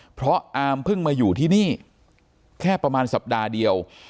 เพราะอาร์มเพิ่งมาอยู่ที่นี่แค่ประมาณสัปดาห์เดียว